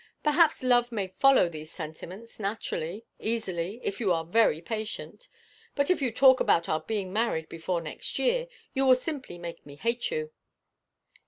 Perhaps love may follow these sentiments, naturally, easily, if you are very patient; but if you talk about our being married before next year, you will simply make me hate you.'